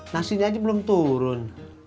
nah sini aja belum turun